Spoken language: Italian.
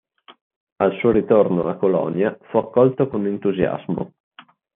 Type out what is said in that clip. Al suo ritorno a Colonia fu accolto con entusiasmo.